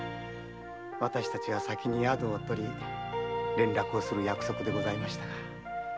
私たちは先に宿をとり連絡をする約束でしたが。